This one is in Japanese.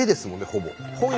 ほぼ。